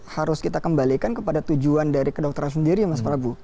harus kita kembalikan kepada tujuan dari kedokteran sendiri ya mas prabu